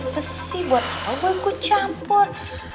lo lahir pribadi buat apa gue campur